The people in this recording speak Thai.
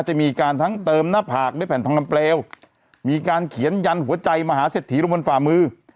จะมีการทั้งเติมหน้าผากด้วยแผ่นทองคำเปลวมีการเขียนยันหัวใจมหาเศรษฐีลงบนฝ่ามือ